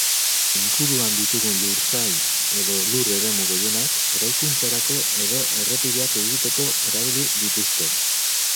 Inguruan ditugun lur-sail edo lur-eremu gehienak eraikuntzarako edo errepideak egiteko erabili dituzte.